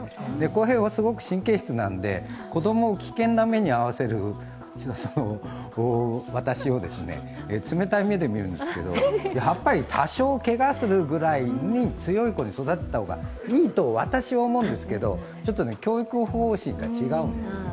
康平はすごく神経質なんで子供を危険な目に遭わせる私を冷たい目で見るんですけど、多少けがするぐらいに強い子に育てた方がいいと私は思うんですがちょっとね、教育方針が違うんですよね。